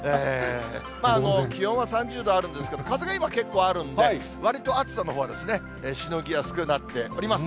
気温は３０度あるんですけど、風が今、結構あるんで、わりと暑さのほうはしのぎやすくなっております。